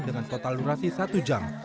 dengan total durasi satu jam